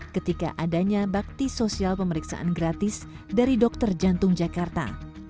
ketika adanya bakti sosial pemeriksaan gratis dari dokter jantung jakarta